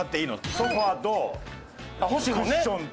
ソファとクッションと。